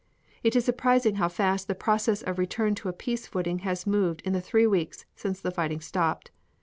It is surprising how fast the process of return to a peace footing has moved in the three weeks since the fighting stopped.